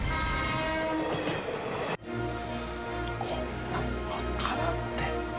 こんなんわからんて。